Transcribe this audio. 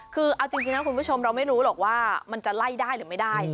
คือเอาจริงนะคุณผู้ชมเราไม่รู้หรอกว่ามันจะไล่ได้หรือไม่ได้